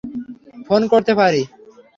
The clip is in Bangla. ফোন করতে পারি?